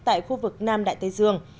tại khu vực nam đại tây dương